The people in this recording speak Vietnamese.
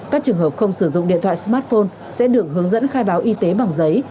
các trường hợp không sử dụng điện thoại smartphone sẽ được hướng dẫn khai báo y tế bằng giấy